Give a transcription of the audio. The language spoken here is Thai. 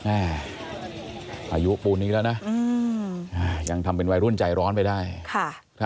อายุปูนนี้แล้วนะยังทำเป็นวัยรุ่นใจร้อนไปได้ค่ะ